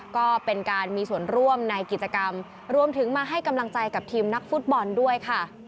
ก็เป็นการมีส่วนร่วมในกิจกรรมรวมถึงมาให้กำลังใจกับทีมนักฟุตบอลด้วยค่ะ